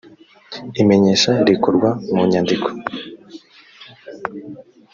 imenyesha rikorwa mu nyandiko